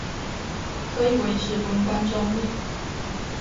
可以維持文官中立